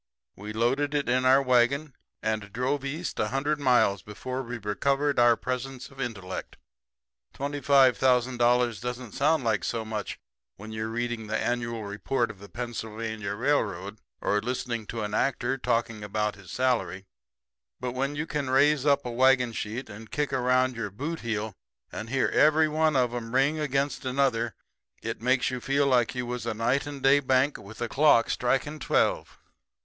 We loaded it in our wagon and drove east a hundred miles before we recovered our presence of intellect. Twenty five thousand dollars doesn't sound like so much when you're reading the annual report of the Pennsylvania Railroad or listening to an actor talking about his salary; but when you can raise up a wagon sheet and kick around your bootheel and hear every one of 'em ring against another it makes you feel like you was a night and day bank with the clock striking twelve.